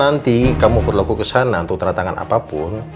nanti kamu perlu aku kesana untuk ternyata apapun